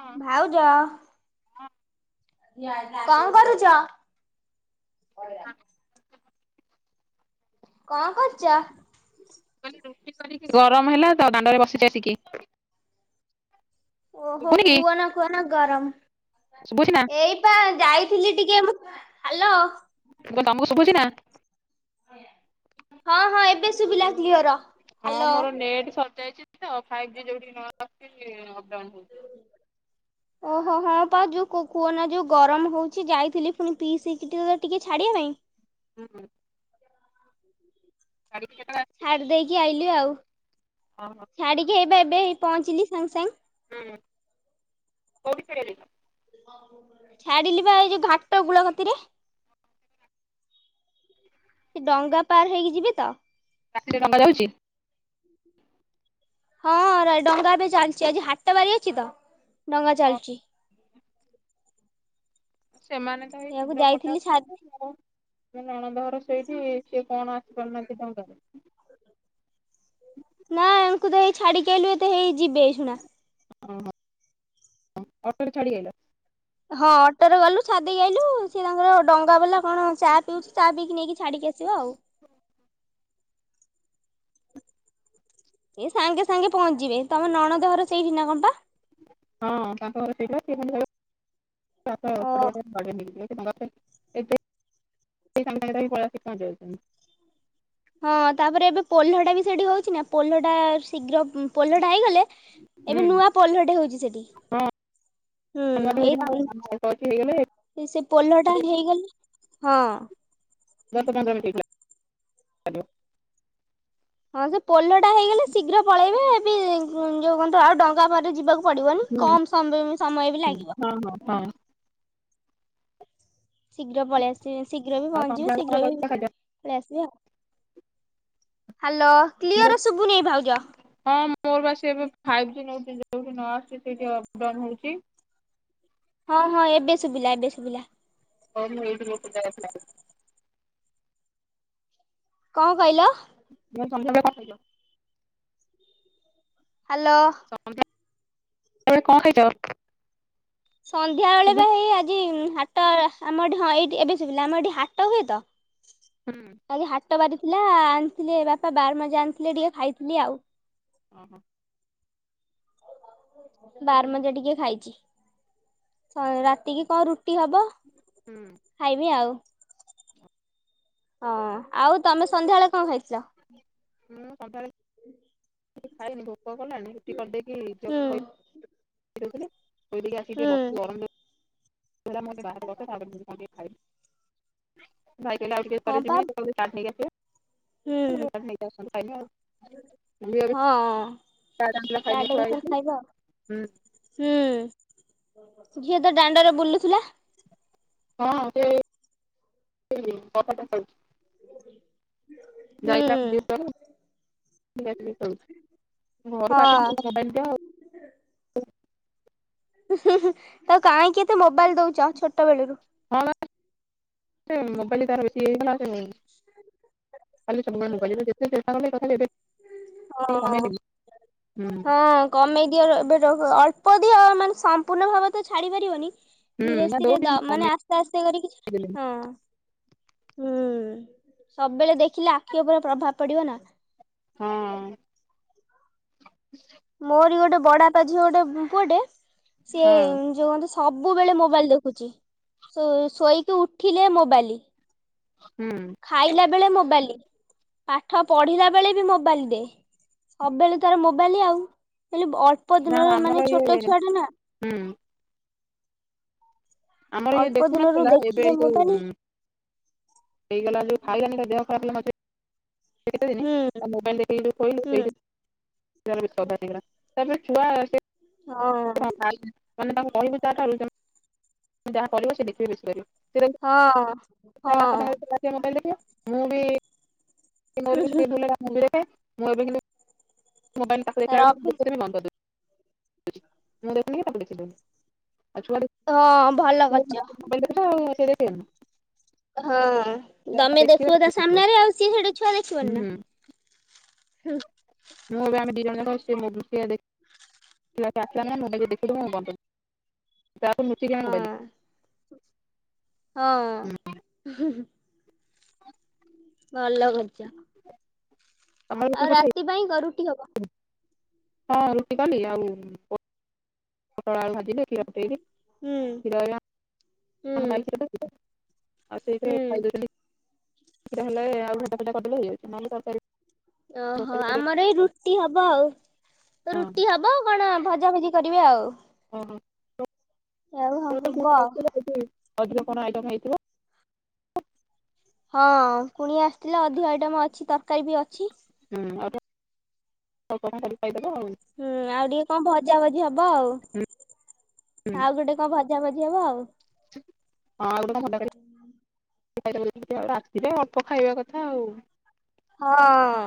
ହଁ ଭାଉଜ। କଣ କରୁଚ? କଣ କରୁଚ? ଗରମ ହେଲା ତ ଦାଣ୍ଡରେ [inaudible] ଟିକେ ଓହୋ ଶୁଭୁନି କି କୁହନା-କୁହନା ଶୁଭୁଛି ନା ଗରମ ଏଇ ମୁଁ ବା ଯାଇଥିଲି ଟିକେ ହାଲୋ। [inaudible] ତମକୁ ଶୁଭୁଛି ନାଁ? ହଁ-ହଁ ଏବେ ଶୁଭିଲା କ୍ଲିୟର ହଁ ହାଲୋ। ମୋର ନେଟ୍ ସରିଯାଇଚି। ତ ଫାଇଭ୍ ଜି ଯଉଠି ନ [inaudible] ଆସୁଛି ସିଏ ଅପ୍ ଡାଉନ୍ ହଉଛି। ଓହୋ ହଁ ବା ଯଉ କୁ କୁହନା ଯଉ ଗରମ ହଉଛି ଯାଇଥିଲି ଫୁଣି ପିିିଇଶିକି ଟିକିଏ ଛାଡ଼ିବା ପାଇଁ ହୁଁ-ହୁଁ। [unintelligible] ଛାଡ଼ି ଦେଇକି ଆଇିଲି ଆଉ। ହଁ-ହଁ। ଛାଡ଼ିକି ହେଇବା ଏବେ ହିଁ ପହଞ୍ଚିଲି ସାଙ୍ଗେ-ସାଙ୍ଗେ। ହୁଁ କୋଉଠି [inaudible] ଛାଡିଲି ବା ଏଇ ଯୋଉ ଘାଟ କୂଳ କତିରେ। ସେ ଡ଼ଙ୍ଗା ପାର ହେଇକି ଯିବି ତ। ରାତି ରେ ଡ଼ଙ୍ଗା ଯାଉଚି? ହଁ ଡ଼ଙ୍ଗା ଏବେ ଚାଲିଚି ଆଜି ହାଟ ବାରି ଅଛି ତ ଡ଼ଙ୍ଗା ହଁ ଚାଲିଚି। ସେମାନେ ତ ସେଇଆକୁ ଶୀଘ୍ର ପଳେଇ ଯାଇଥିଲି ଛା [unintelligible] ମୋ ନଣଦ ଘର ସେଇଠି ସିଏ କଣ ଆସିପାରୁନାହାନ୍ତି କଣ ପାଇଁ। ନା ଆଙ୍କୁ ତ ହେଇ ଛାଡିକ ଆଇଲୁ ଏ ତ ହେଇ ଯିବେ ଏଇସୁନା। ହଁ ହଁ ଅଟୋରେ ଛାଡ଼ିକି ଆଇଲ? ହଁ ଅଟୋରେ ଗଲୁ ଛାଡିଦେଇି ଆଇଲୁ ସେ ତାଙ୍କର ଡଙ୍ଗା ବାଲା କଣ ଚା ପିଉଚି ଚା ପିଇକି ନେଇକି ଛାଡିକି ଆସିବ ଆଉ। ଏ ସାଙ୍ଗେ ସାଙ୍ଗେ ପହଞ୍ଚିଯିବେ। ତମ ନଣଦ ଘର ସେଇଠି ନା କଣ ବା? ହଁ ତାଙ୍କ ଘର ସେଇଠି ବା ସେ ଓ ଖାଲି କହିବ [unintelligible] ସାଙ୍ଗେ ସାଙ୍ଗେ ଯାଇ ପଳେଇଆସି ରହିଯାଉଚନ୍ତି। ହଁ ତାପରେ ଏବେ ପୋଲଟା ବି ସେଠି ହଉଚି ନା ପୋଲଟା ଶୀଘ୍ର ପୋଲଟା ହେଇଗଲେ ଏବେ ହୁଁ ନୂଆ ପୋଲଟେ ହଉଚି ସେଠି। ହୁଁ ଆମେ ଯିବା ଏଇ ନୂଆ ପୋଲ ହେଇଗଲେ। ସେ ପୋଲ ଟା ହେଇଗଲେ ହଁ। [unintelligible] ହେଇଥିଲା। ହଁ ସେ ପୋଲଟା ହେଇଗଲେ ଶୀଘ୍ର ପଳେଇବେ ଏବେ ଯୋଉ କୁହନ୍ତୁ ଆଉ ଡଙ୍ଗା ବାଟରେ ଯିବାକୁ ପଡ଼ିବନି ହୁଁ ପଡିବନି କମ ସମୟ ବି ଲାଗିବ। ହଁ ହଁ ହଁ। ଶୀଘ୍ର ପଳେଇଆସିବେ, ଶୀଘ୍ର ବି ଆଉ ପହଞ୍ଚଯିବ, ସନ୍ଧ୍ୟାବେଳେ କଣ ଶୀଘ୍ର ବି କରିଛ ଖାଦ୍ୟ? ପଳେଇଆସିବି ଆଉ। ହାଲୋ। ମୁଁ କ୍ଲିଅର ଶୁଭୁନି ଭାଉଜ। କହିଲି, ହଁ। ମୋର ବା ସେ ଏବେ ଫାଇଭ ଜି ନଉଚି ଯୋଠି ନ ଆସୁଚି ସେଇଠି ଅପ ଡାଉନ୍ ହଉଚି। ହଁ ହଁ ଏବେ ଶୁଭିଲା ଏବେ ଶୁଭିଲା। ହଁ ମୁଁ ଏଇଠି ଗୋଟେ ଜାଗାରେ ଠିଆ ହେଇଚି। କଣ କହିଲ? [unintelligible] ହାଲୋ। ସନ୍ଧ୍ୟା ବେଳେ କଣ ଖାଇଚ? ସନ୍ଧ୍ୟାବେେଳେ ବା ହେଇ ଆଜି ହାଟ ଆମ ଏଠି ହଁ ଏଇଠି, ଏବେ ଶୁଭିଲା ଆମର ଏଠି ହାଟ ହୁଏ ତ। ହୁଁ। ଆଜି ହାଟ ବାରିଥିଲା ଆଣିଥିଲେ ବାପା ବାରମଜା ଆଣିଥିଲେ ଟିକେ ଖାଇଥିଲି ଆଉ। ଓହୋ ହଁ। ବାରମଜା ଟିକେ ଖାଇଚି। ରାତିକି କଣ ରୁଟି ହବ। ହୁଁ। ଖାଇବି ଆଉ। ହଁ ଆଉ ତମେ ସନ୍ଧ୍ୟାବେଳେ କଣ ଖାଇଥିଲ? ମୁଁ ସନ୍ଧ୍ୟାବେଳେ କିଛି ଖାଇନି ଭୋକ କଲାଣି ରୁଟି କରିଦେଇକି ଝିଅ ହୁଁ ଖୁଆଇଦଉଥିଲି। ଖୁଆଇଦେଇକି ଆସିକି ହୁଁ ଟିକେ ବସିଚି। ଗରମ ଜୋର୍ ରେ ହେଲା ମୁଁ କହିଲି ବାହାରେ ବସେ ତାପରେ ଯିବି କଣ ଟିକେ ଖାଇବି, ଭାଇ କହିଲେ ଆଉ ଟିକେ ହଁ ପରେ ପା ଯିମି [unintelligible] ଚାଟ୍ ନେଇକି ଆସିବେ, ହୁଁ ଚାଟ୍ ନେଇକି ଆସୁଛନ୍ତି ଖାଇବି ଆଉ। ମୁଁ କହିଲି ଆରେ ହଁ ଚାଟ୍ ଏବେ ତାହେଲେ ହେଇଛି ଖାଇବ? ହୁଁ, ଝିଅ ତ ଦାଣ୍ଡରେ ବୁଲୁଥିଲା। ହଁ ସେ ସେଇ କବାଟରେ ଖେଳୁଚି। [unintelligible] ହୁଁ ଘରୁକୁ ଆସିଲେ ତ ଖାଲି ହଁ ମୋବାଇଲ ଦିଅ ଆଉ। ତାକୁ କାହିଁକି ଏତେ ମୋବାଇଲ ଦଉଛ ଛୋଟ ବେଳୁରୁ। ହଁ ବା। ମୋବାଇଲ ତାର ସିଏ ହେଲେ ଆଉ କାନ୍ଦିବନି। ଖାଲି ସବୁବେଳେ ମୋବାଇଲ ଯେତେ ଚେଷ୍ଟା କଲେବି ତଥାବି ଏବେ ଟିକେ ହଁ। କମେଇ ଦେବି। ହୁଁ। ହଁ କମେଇ ଦିଅ ଏବେ ଯୋଉ ଅଳ୍ପ ଦିଅ ମାନେ ସମ୍ପୂର୍ଣ୍ଣ ଭାବେ ତ ଛାଡି ପାରିବନି। ହୁଁ ଧୀରେ ନା ସ୍ଥିରେ ଦଉନି ମାନେ ଆସ୍ତେ ଆସ୍ତେ କରିକି, କମେଇଦେଲିଣି ହଁ। ହୁଁ। ସବୁବେଳେ ଦେଖିଲେ ଆଖି ଉପରେ ପ୍ରଭାବ ପଡିବ ନା। ହଁ। ମୋରି ଗୋଟିଏ ବଡାପା ଝିଅଟେ ପୁଅଟେ ସିଏ ହଁ ଯେଉ କହନ୍ତି ସବୁବେଳେ ମୋବାଇଲ ଦେଖୁଛି। ଶୋ-ଶୋଇକି ଉଠିଲେ ମୋବାଇଲ। ହୁଁ। ଖାଇଲା ବେଳେ ମୋବାଲି, ପାଠ ପଢିଲା ବେଳେ ବି ମୋବାଇଲ ଦେ। ସବବେଳେ ତାର ମୋବାଇଲ ଆଉ। ହେଲେ ଅଳ୍ପ ନା ଦିନରେ ମାନେ ଆମର ଛୋଟ ଇଏ ଛୁଆଟେ ନା। ହୁଁ ଆମର ଇଏ ଅଳ୍ପ ଦିନରୁ ଦେଖୁନଥିଲା। ଏବେ ଦେଖିଲେ ଏଇ ମୋବାଇଲ ଯୋଉ ହେଇଗଲା ଯୋଉ ଖାଇଲାନି ତା ଦେହ ଖରାପ ହେଇନଥିଲା ସେଇ କେତେ ଦିନି ହୁଁ ମୋବାଇଲ ଦେଖେଇ ଦେଇ ଖୋଇଲେ ହୁଁ [unintelligible] ଛୁଆ ହଁ [unintelligible] ମାନେ ତାଙ୍କୁ କହିବୁ ଯା [unintelligible] ଯାହା କରିବ ସେ ଦେଖିବ ବେଶି କରିବ। ହଁ ହଁ। ସେ ମୋବାଇଲ ଦେଖିବ। ମୁଁ ବି ମୋର ବି ସେତବେଳେ ଭୁଲ୍ ରହିଲା ମୁଁ ମୋବାଇଲ ଦେଖେ। ମୁଁ ଏବେ କିନ୍ତୁ ମୋବାଇଲ ତାକୁ ତାର ଦେଖିଲା ବେଳକୁ ଅଭ୍ୟାସ [unintelligible] ବନ୍ଦ କରିଦିଏ। ମୁଁ ଦେଖିବିନି ନା ତାକୁ ଦେଖେଇ ଦେବିନି। ଆଉ ଛୁଆଟେ ହଁ ଭଲ କରିଛ [unintelligible] ମୋବାଇଲ ଦେଖୁଚୁ ସିଏ ଦେଖିବନି। ହଁ ତମେ ଦେଖିବେ ଦେଖିବ ତା ସାମ୍ନାରେ ଆଉ। ସିଏ ସେଇଟା ଛୁଆ ହୁଁ ଦେଖିବନି ନା। ମୁଁ ଆଉ ଏବେ ଆମେ ଦି ଜଣ ଯାକ ସେ ମୋ-ସେ-ଦେ ପିଲା ଆସିଲାନି ମାନେ ମୋବାଇଲ ଯଦି ଦେଖିଥବୁ ମୁଁ ବନ୍ଦ କରୁ। ତାକୁ ଲୁଚିକି ଆମେ ମୋବାଇଲ ଦେଖୁ। ହଁ। ଭଲ କରିଚ। ତମର ରୁଟି ଆଉ ଫୁଟି ରାତି ପାଇଁ କଁ ରୁଟି ହବ। ହଁ ରୁଟି କଲି। ଆଉ ପୋଟଳ ଭାଜିଲି କ୍ଷୀର ଫିଟେଇ। ହୁଁ କ୍ଷୀର [unintelligible] ହୁଁ ଆଉ ସେଇଥିରେ ଖାଇବେ ହୁଁ ବିଲି [unintelligible] ଆଳୁ ଭର୍ତାଫର୍ତା କରିଦେଲେ ହେଇଯାଉଛି। ନ ହେଲେ ତର୍କାରୀ ଓହୋ। ଆମର ଏଇ ରୁଟି ହବ ଆଉ। ହଁ ରୁଟି ହବ କଣ ଭଜାଭଜି କରିବା ଆଉ? ଓହୋ। ଆଉ ହବ [unintelligible] ଆଉ ଅଧିକ କଣ ଆଇଟମ୍ ହେଇଥିବ? ହଁ କୁଣିଆ ଆସିଥିଲେ ଅଧିକ ଆଇଟମ୍ ଅଛି ତରକାରୀ ବି ଅଛି। ହୁଁ ଆଉ [unintelligible] ଆଉ। ହୁଁ। ଆଉ ଟିକେ କଣ ଭଜା ଭଜି ହବ ଆଉ? ଆଉ ଗୋଟେ କଣ ଭଜାଭଜି ହବ ଆଉ? ହଁ ଆଉ ଟିକେ କଣ ଭଜା କରି ରାତିରେ ଅଳ୍ପ ଖାଇବା କଥା ଆଉ। ହଁ।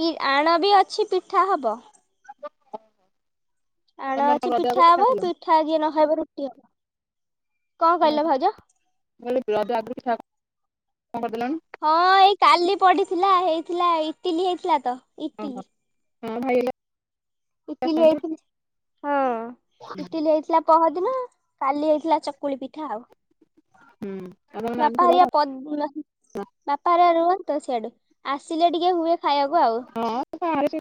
ପି-ଆଣ ବି ଅଛି ପିଠା ହବ। ଆଣ ତମେ କଣ ଅଛି ରଜ ଆଗରୁ ପିଠା ହବ କଲଣି? ପିଠା ଯିଏ ନ ଖାଇବ ରୁଟି ହବ। କଣ କହିଲ ଭାଉଜ? [unintelligible] ହଁ ଏଇ କାଲି ପଡିଥିଲା ହେଇଥିଲା ଇଟିଲି ହେଇଥିଲା ତ। ଓହୋ ଇଟିଲି। ହଁ ଭାଇ [unintelligible] ଇଟିଲି ଅଛନ୍ତି। ହେଇଥି ଇଟିଲି ହେଇଥିଲା ପହରଦିନ କାଲି ହେଇଥିଲା ଚକୁଳି ପିଠା ଆଉ। ଆଉ ତମ ନାନୀ ବାପା ଖବର ହେରିକା କଣ? ପଦ [unintelligible] ବାପା ହେରିଆ ରୁହନ୍ତି ତ ସିଆଡେ ଆସିଲେ ଟିକେ ହୁଏ ଖାଇଆକୁ ଆଉ। ହଁ ବାହାରେ ସେ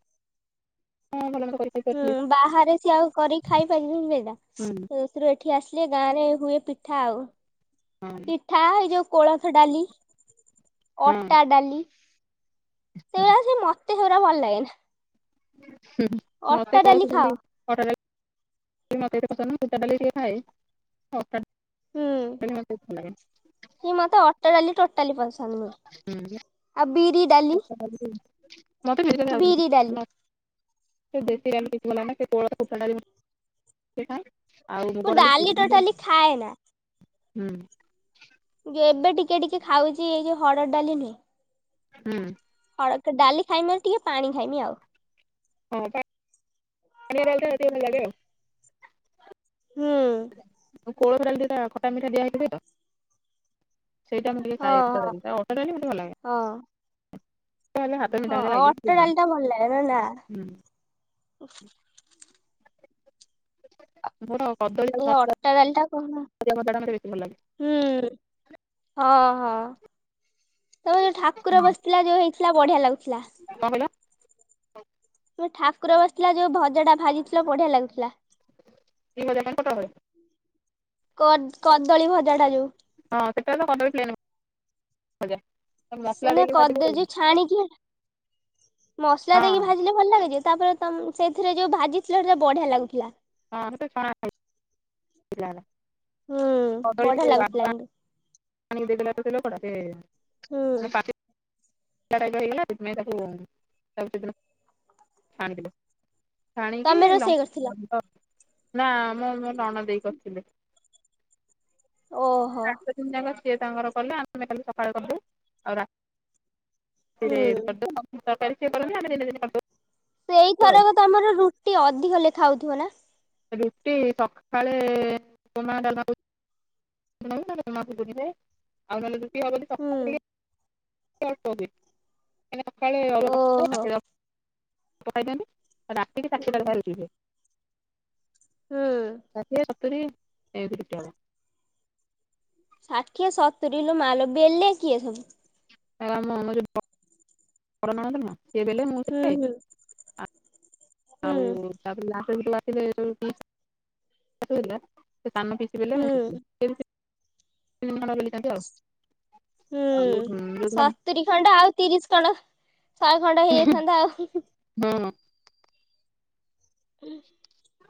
କଣ ଭଲ ମନ୍ଦ କରି ଖାଇକି ହୁଁ ଆସିଲେ। ବାହାରେ ସିଏ ଆଉ କରିକି ଖାଇପାରିବେ ସେଟା। ହଁ ସେଥିରୁ ଏଠି ଆସିଲେ ଗାଁ ରେ ହୁଏ ପିଠା ଆଉ। ହଁ। ପିଠା ଏଇ ଯୋଉ କୋଳଥ ଡାଲି ହଁ ଅଟା ଡାଲି। ସେଗୁରା ସେ ମତେ ସେଗୁରା ଭଲ ଲାଗେନା। ହୁଁ ମତେ ଅଟା ଡାଲି ଖାଅ କୋଳଥ ଡାଲି [inaudible] [unintelligible] ସେଇ ମତେ ଅଟାଡାଲି ଟୋଟାଲି ପସନ୍ଦ ନୁହେଁ ଆଉ ବିରିଡାଲି ଡାଲି [inaudible] ସେ ଦେଶୀ ଡାଲି [unintelligible] ଆଉ ମୁଁ ମୁଗ ଡାଲି ଟୋଟାଲି ଖାଏ ନା। [inaudible] ହୁଁ। ଏବେ ଟିକେ ଟିକେ ଖାଉଚି ଏଇ ଯୋଉ ହରଡଡାଲି ନୁହେଁ। ହୁଁ। ହଳଡ ଡାଲି ଖାଇମି ଟିକେ ପାଣି ଖାଇମି ଆଉ। ପାଣିଆ ଡାଲି ଟା ଟିକେ ଭଲ ଲାଗେ ଆଉ। ହୁଁ। ଅ କୋଳଥ ଡାଲିଟା ଖଟା ମିଠା ଦିଆହେଇ [unintelligible] ସେଇଟା ମୁଁ ଟିକେ ହଁ ଖାଏ ଅଟା ଡାଲି ଟା ଅଟା ଡାଲି ମତେ ହଁ ଲାଗେ। ହେଲେ ହାତ ମିଠା ହଁ ମିଠା ଲାଗିବ ଅଟା ଡାଲି ହୁଁ ଟା ଭଲ ଲାଗେ। [inaudible] ମୋର କଦଳୀ ଆଉ ଏ ମସଲା ଅଟା ଡାଳଟା କୁହନା ଭଜା ଭଜାଟା ମତେ ବେଶୀ ଭଲ ଲାଗେ ହୁଁ। ହଁ ହଁ ତମ ଯୋଉ ଠାକୁର ବସିଥିଲା ଯୋଉ ହେଇଥିଲା ବଢିଆ ଲାଗୁଥିଲା। କଣ କହିଲ? ଠାକୁର ବସିଥିଲା ଯୋଉ ଭଜା ଟା ଭାଜିଥିଲ ବଢିଆ ଲାଗୁଥିଲା। [unintelligible] କଦ କଦଳୀ ଭଜା ଯୋଉ। ହଁ ସେଟା ତ କଦଳୀ ପ୍ଲେନ୍ ଭଜା। ମସଲା ସେଟା ଦେଇକି କଦ ଭାଜିଲେ ଯୋଉ ଛାଣିକି ମସଲା ହଁ ଦେଇକି ଭାଜିଲେ। ଭଲ ଲାଗୁଚି ତାପରେ ତମ ସେଥିରେ ଯୋଉ ଭାଜିଥିଲ ସେଟା ବଢିଆ ଲାଗୁଥିଲା। ହୁଁ ବଢିଆ [unintelligible] ଲାଗୁଥିଲା କିନ୍ତୁ ହୁଁ [inaudible] [inaudible] ଛାଣିଥିଲୁ ଛାଣିକି ତମେ ରୋଷେଇ କରିଥିଲ? ଲଙ୍କ ନା ମୁଁ ମୋ ନଣଦେଇ କରିଥିଲେ। ଓହୋ ତିନି ଦିନ ଯାକ ସିଏ ତାଙ୍କର କଲେ ଆମେ ଖାଲି ସକାଳେ କଲୁ ଆଉ ରା [inaudible] ହୁଁ ସେଇଥରକ ତମର ରୁଟି ଅଧିକ ଲେଖା ହୋଉଥିବ ନା? ରୁଟି ସକାଳେ [unintelligible] [unintelligible] ହୁଁ [unintelligible] ଓହୋ ସକାଳେ ହୁଁ [unintelligible] ହୁଁ ଷାଠିଏ ସତୁରି [unintelligible] ଷାଠିଏ, ସତୁରି ଇଲୋ ମାଲୋ! ବେଲେ କିଏ ସବୁ? ଆମରି [unintelligible] ବଡ଼ ନଣନ୍ଦ ନୁହ ସେ ବେଲେ ମୁଁ ହୁଁ ବେଲେ ହୁଁ ହୁଁ ଆଉ [unintelligible] ହୁଁ [unintelligible] [unintelligible] ଆଉ ସତୁରିଖଣ୍ଡ ଆଉ ତିରିଶ୍ ଖଣ୍ଡ, ଶହେଖଣ୍ଡ ହେଇଯାଇଥାନ୍ତା ଆଉ ହଁ [inaudible] [unintelligible]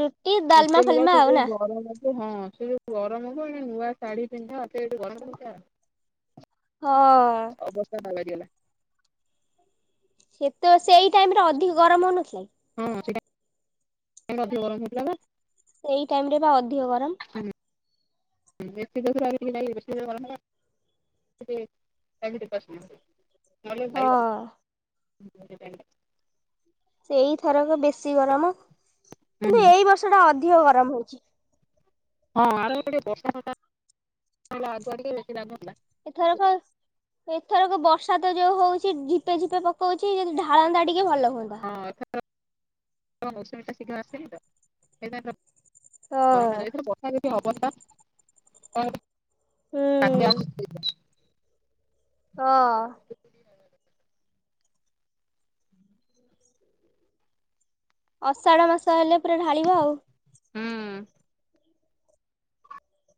ରୁଟି ଡାଲମା ହଁ ଫାଲମା ସେ ଆଉ ଯୋଉ ନା ଗରମ ହବ ଏ ନୂଆ ଶାଢୀପିନ୍ଧେ ଏଠି ଗରମ [unintelligible] ହଁ ଅବସ୍ଥା [unintelligible] ଗଲା ସେ ତ ସେଇ ଟାଇମ୍ ରେ ଅଧିକ ଗରମ ହଉନଥିଲା କି ହଁ ସେ ଟା ସେଇ ଟାଇମ୍ ରେ ଅଧିକ ଗରମ ହୋଇଥଲା ବା ସେଇ ଟାଇମ୍ ରେ ବା ଅଧିକ ଗରମ [unintelligible] ଭାଇ ହଁ। [unintelligible] ସେଇଥରକ ବେଶୀ ଗରମ କିନ୍ତୁ ଏଇ ବର୍ଷ ଟା ଅଧିକ ଗରମ ହଉଛି ହଁ ଆର ଥର ଟିକେ ବର୍ଷା [unintelligible] ଆଗୁଆ ଟିକେ ବେଶି [unintelligible] ଏଥରକ ଏଥରକ ବର୍ଷା ତ ଯୋଉ ହଉଛି ଝିପେ ଝିପେ ପକଉଛି ଯି ଢ଼ାଳନ୍ତା ଟିକେ ଭଲ ହୁଅନ୍ତା ହଁ ଏଥର [unintelligible] ବର୍ଷାଟା ଶୀଘ୍ର ଆସେନି ତ ଗରମ ଟା ହଁ [unintelligible] ବର୍ଷା ଯଦି ହବ ହୁଁ [unintelligible] [unintelligible] ହଁ ଅଷାଢ ମାସ ହେଲେ ପୁରା ଢାଳିବ ଆଉ ହୁଁ